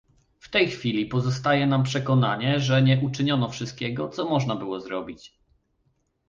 W tej chwili pozostaje nam przekonanie, że nie uczyniono wszystkiego, co można było zrobić